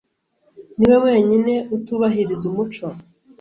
Niwe wenyine utubahiriza umuco.